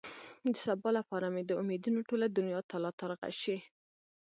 د سبا لپاره مې د امېدونو ټوله دنيا تالا ترغه شي.